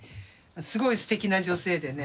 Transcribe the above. すごいすてきな女性でね